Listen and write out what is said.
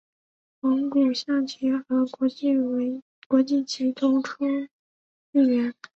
蒙古象棋和国际象棋同出一源。